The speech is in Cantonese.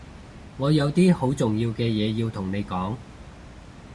我有啲好重要嘅嘢要同你講